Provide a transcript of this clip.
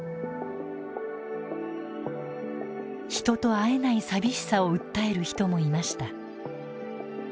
人と会えない寂しさを訴える人もいました。